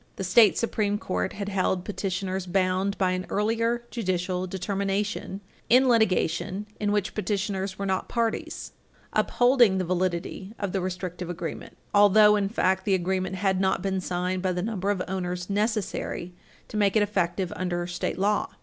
The state Supreme Court had held petitioners bound by an earlier judicial determination, in litigation in which petitioners were not parties, upholding the validity of the restrictive agreement, although, in fact, the agreement had not been signed by the number of owners necessary to make it effective under state law.